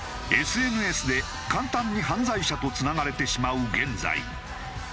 ＳＮＳで簡単に犯罪者とつながれてしまう現在。